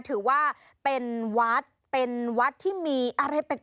ถือว่าเป็นวัดเป็นวัดที่มีอะไรแปลก